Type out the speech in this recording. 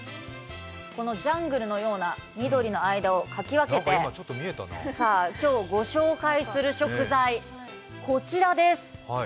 このジャングルのような緑の間をかき分けて、さあ、今日ご紹介する食材、こちらです。